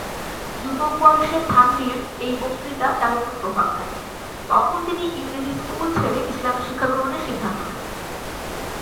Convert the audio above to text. যুবক বয়সে থানভীর এই বক্তৃতা তার উপর প্রভাব ফেলে, তখন তিনি ইংরেজি স্কুল ছেড়ে ইসলামি শিক্ষা গ্রহণের সিদ্ধান্ত নেন।